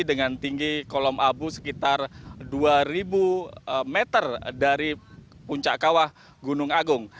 dengan tinggi kolom abu sekitar dua meter dari puncak kawah gunung agung